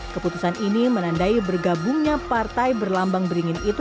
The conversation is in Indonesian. keputusan ini menandai bergabungnya partai berlambang beringin itu